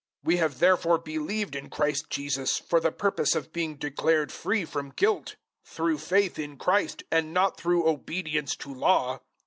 We have therefore believed in Christ Jesus, for the purpose of being declared free from guilt, through faith in Christ and not through obedience to Law.